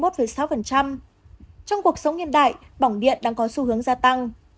trong cuộc sống hiện đại bỏng điện đang có xu hướng gia tăng